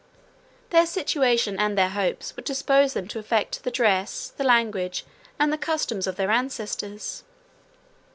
185 Their situation and their hopes would dispose them to affect the dress, the language, and the customs of their ancestors.